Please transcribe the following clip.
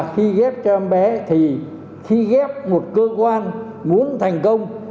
khi ghép cho em bé thì khi ghép một cơ quan muốn thành công